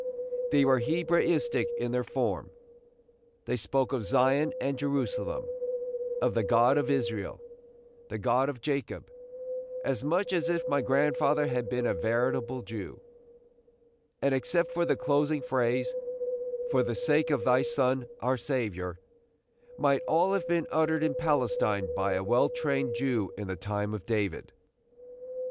They were Hebraistic in their form; they spoke of Zion and Jerusalem, of the God of Israel, the God of Jacob, as much as if my grandfather had been a veritable Jew; and except for the closing phrase, "for the sake of thy Son, our Saviour," might all have been uttered in Palestine by a well trained Jew in the time of David.